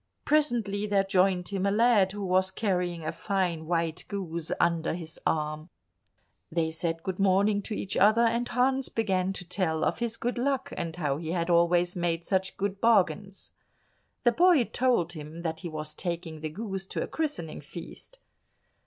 Presently there joined him a lad who was carrying a fine white goose under his arm. They said good morning to each other, and Hans began to tell of his good luck, and how he had always made such good bargains. The boy told him that he was taking the goose to a christening feast.